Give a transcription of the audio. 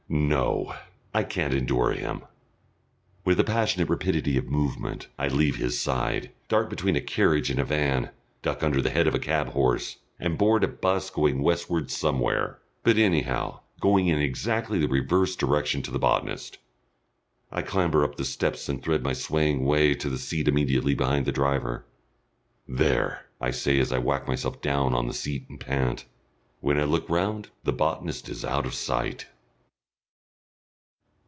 No! I can't endure him. With a passionate rapidity of movement, I leave his side, dart between a carriage and a van, duck under the head of a cab horse, and board a 'bus going westward somewhere but anyhow, going in exactly the reverse direction to the botanist. I clamber up the steps and thread my swaying way to the seat immediately behind the driver. "There!" I say, as I whack myself down on the seat and pant. When I look round the botanist is out of sight.